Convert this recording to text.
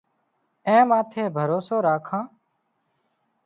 اين ماٿي ڀروسو راکان